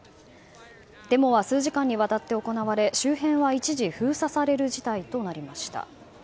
デモは数時間にわたって行われ周辺は一時封鎖される事態となりました。